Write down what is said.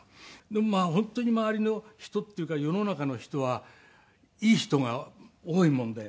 まあ本当に周りの人っていうか世の中の人はいい人が多いもんで。